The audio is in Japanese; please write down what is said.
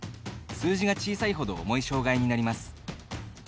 数字が小さいほど重い障がいになります。